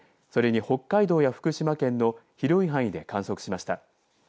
それに北海道や福島県の広い範囲で観測しました。